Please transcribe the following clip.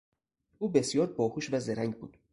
او بسیار باهوش و زرنگ بود.